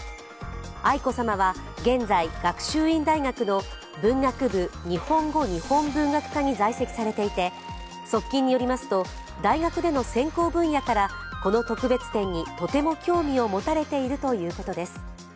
愛子さまは現在、学習院大学の文学部日本語日本文学科に在籍されていて、側近によりますと大学での専攻分野からこの特別展にとても興味を持たれているということです。